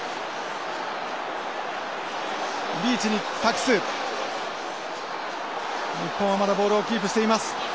リーチに託す日本はまだボールをキープしています。